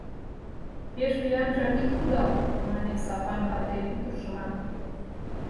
— Пеш виянжак ит кудал, — мане Сапан вате ӱдыржылан.